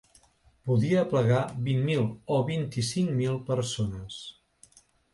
Podia aplegar vint mil o vint-i-cinc mil persones.